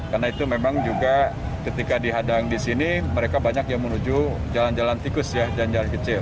karena itu memang juga ketika dihadang di sini mereka banyak yang menuju jalan jalan tikus jalan jalan kecil